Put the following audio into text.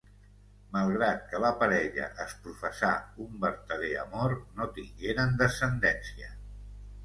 Malgrat que la parella es professà un vertader amor no tingueren descendència.